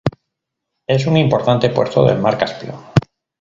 Es un importante puerto del mar Caspio.